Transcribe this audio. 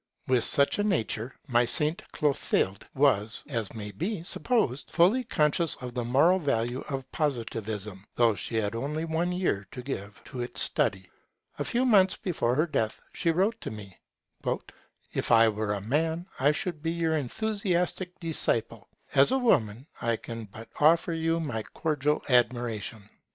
With such a nature my Saint Clotilde was, as may be supposed, fully conscious of the moral value of Positivism, though she had only one year to give to its study. A few months before her death, she wrote to me: 'If I were a man, I should be your enthusiastic disciple; as a woman, I can but offer you my cordial admiration'.